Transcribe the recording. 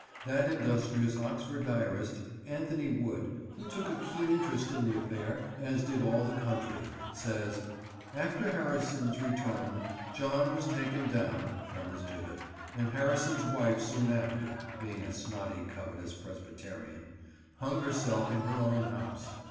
That industrious Oxford diarist, Anthony Wood, who took a keen interest in the affair, as did all the country, says, "After Harrison's returne, John was taken down [from his gibbet] and Harrison's wife soon after (being a snotty covetous presbyterian) hung herself in her owne house.